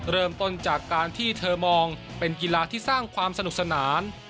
เริ่มต้นจากการที่เธอมองเป็นกีฬาที่สร้างความสนุกสนาน